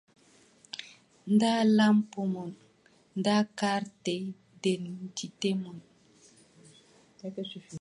Ndaa lampo mon, daa kartedendite mon.